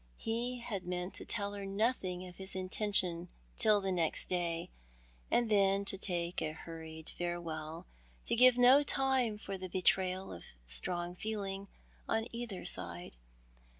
He had meant to tell her nothing of his intention till next day, and then to take a hurried farewell, to give no time for the betrayal of strong feeling on either side.